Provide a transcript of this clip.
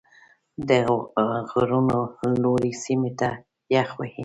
د غرونو لوړې سیمې تل یخ وي.